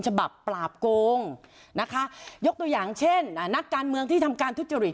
ฉบับปราบโกงนะคะยกตัวอย่างเช่นนักการเมืองที่ทำการทุจริต